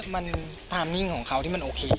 มันตามมิ่งของเขาที่มันโอเค